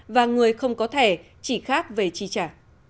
và người không có thẻ chỉ khác về chi trả